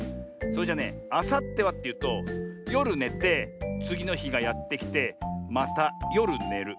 それじゃねあさってはっていうとよるねてつぎのひがやってきてまたよるねる。